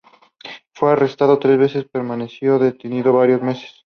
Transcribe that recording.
Fue arrestado tres veces y permaneció detenido varios meses.